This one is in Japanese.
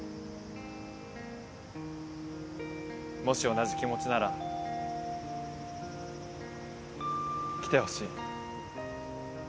もし同じ気持ちなら来てほしい。